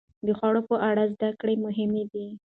د خوړو په اړه زده کړه مهمه ده.